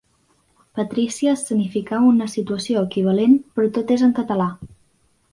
Patrícia escenificà una situació equivalent però tot és en català.